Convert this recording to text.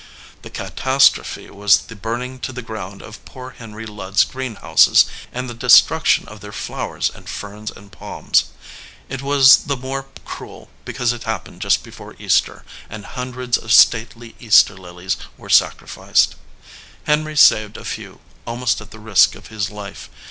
The catastrophe was the burning to the ground of poor Henry Ludd s greenhouses and the destruction of their flowers and ferns and palms. It was the more cruel because it happened just before Easter, and hundreds of stately Easter 243 EDGEWATER PEOPLE lilies were sacrificed. Henry saved a few, almost at the risk of his life.